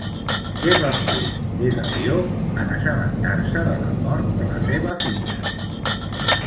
Què va fer, Dedalió, en assabentar-se de la mort de la seva filla?